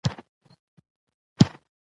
عادت د ظلم تر ټولو خطرناک بڼې ده.